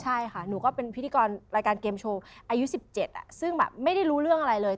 ใช่ค่ะหนูก็เป็นพิธีกรรายการเกมโชว์อายุ๑๗ซึ่งแบบไม่ได้รู้เรื่องอะไรเลย